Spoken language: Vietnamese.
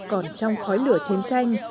còn trong khói lửa chiến tranh